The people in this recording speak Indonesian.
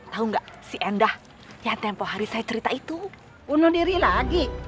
tahu nggak si endah yang tempoh hari saya cerita itu bunuh diri lagi